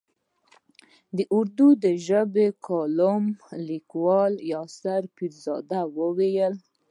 اردو ژبی کالم لیکوال یاسر پیرزاده وايي.